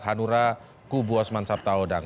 hanura kubu osman sabtaodang